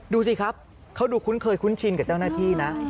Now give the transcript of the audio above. ดูสิครับเขาดูคุ้นเคยคุ้นชินกับเจ้าหน้าที่นะ